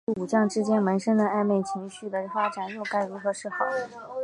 主角与武将之间萌生的暧昧情愫的发展又该如何是好？